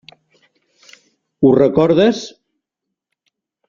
Ho recordes?